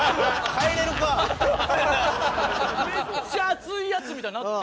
めっちゃ熱いヤツみたいになって。